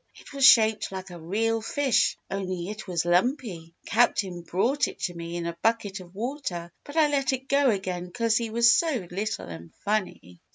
It was shaped like a real fish only it was lumpy. Captain brought it to me in a bucket of water but I let it go again 'cause he was so little and funny."